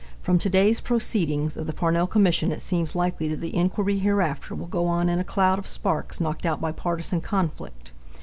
From to day's proceedings of the Parnell Commission it seems likely that the inquiry hereafter will go on in a cloud of sparks knocked out by partisan conflict.